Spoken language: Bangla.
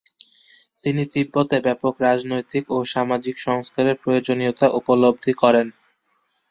তিনি তিব্বতে ব্যাপক রাজনৈতিক ও সামাজিক সংস্কারের প্রয়োজনীয়তা উপলব্ধি করেন।